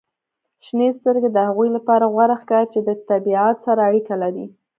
• شنې سترګې د هغوی لپاره غوره ښکاري چې د طبیعت سره اړیکه لري.